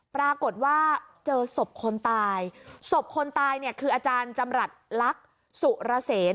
ปรากฏว่าเจอศพคนตายศพคนตายเนี่ยคืออาจารย์จำรัฐลักษณ์สุรเสน